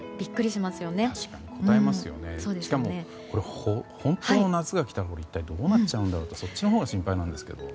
しかも本当の夏が来たらどうなっちゃうんだろうとそっちのほうが心配なんですけど。